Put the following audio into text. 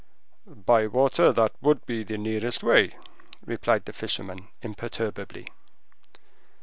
"By water that would be the nearest way," replied the fisherman imperturbably.